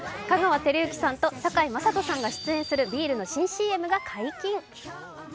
香川照之さんと堺雅人さんが出演するビールの新ＣＭが解禁。